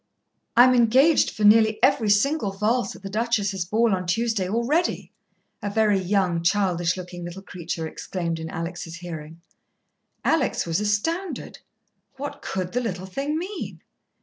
"I'm engaged for nearly every single valse at the Duchess's ball on Tuesday already!" a very young, childish looking little creature exclaimed in Alex' hearing. Alex was astounded. What could the little thing mean?